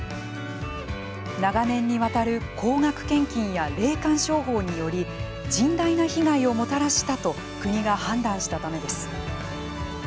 長年にわたる高額献金や霊感商法により甚大な被害をもたらしたと国が判断したためです。